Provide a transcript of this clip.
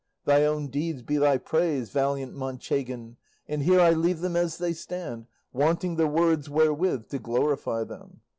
Thy own deeds be thy praise, valiant Manchegan, and here I leave them as they stand, wanting the words wherewith to glorify them!"